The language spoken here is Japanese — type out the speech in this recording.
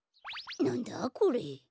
なんだこれ？